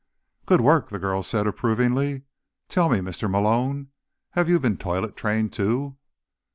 "Good work," the girl said approvingly. "Tell me, Mr. Malone, have you been toilet trained, too?"